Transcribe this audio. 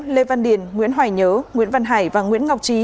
lê văn điền nguyễn hoài nhớ nguyễn văn hải và nguyễn ngọc trí